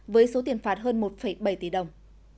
với số tiền phạt hơn một bảy tỷ đồng